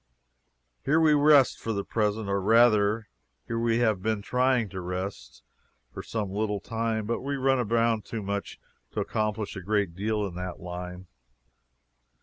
Here we rest for the present or rather, here we have been trying to rest, for some little time, but we run about too much to accomplish a great deal in that line.